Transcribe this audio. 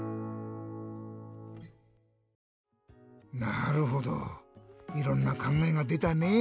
なるほどいろんなかんがえがでたね。